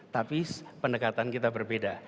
tapi pendekatan kita berbeda